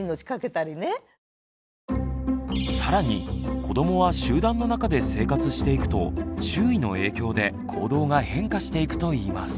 更に子どもは集団の中で生活していくと周囲の影響で行動が変化していくといいます。